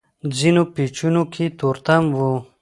ځينو پېچونو کې تورتم و.